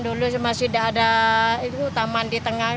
dulu masih ada itu taman di tengah